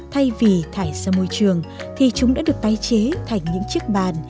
thay vì thải ra môi trường thì chúng đã được tái chế thành những chiếc bàn